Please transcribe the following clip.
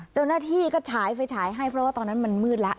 เจ้าหน้าที่ก็ฉายไฟฉายให้เพราะว่าตอนนั้นมันมืดแล้ว